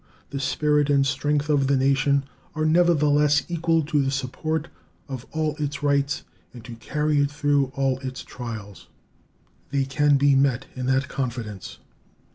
The spirit and strength of the nation are nevertheless equal to the support of all its rights, and to carry it through all its trials. They can be met in that confidence.